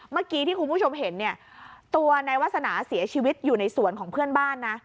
เมื่อกี้ที่คุณผู้ชมเห็นเนี่ยตัวนายวาสนาเสียชีวิตอยู่ในสวนของเพื่อนบ้านนะ